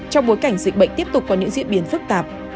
trong bối cảnh dịch bệnh tiếp tục có những diễn biến phức tạp